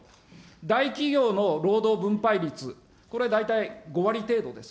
大企業の労働分配率、これ大体、５割程度です。